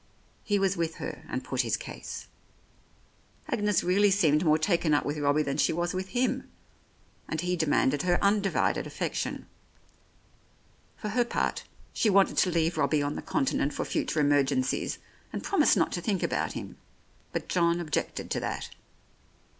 He was with her and put his case. Agnes really seemed more taken up with Robbie than she was with him, and he demanded her undivided affection. For her part, she wanted to leave Robbie on the Con tinent for future emergencies, and promised not to think about him, but John objected to that.